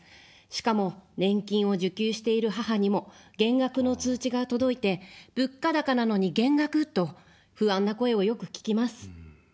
しかも、年金を受給している母にも減額の通知が届いて、物価高なのに減額と不安な声をよく聞きます。